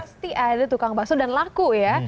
pasti ada tukang bakso dan laku ya